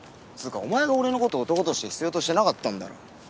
つうかお前が俺のこと男として必要としてなかったんだろ？